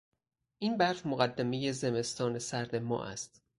این برف مقدمهی زمستان سرد ما است.